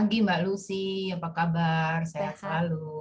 pagi mbak lucy apa kabar sehat selalu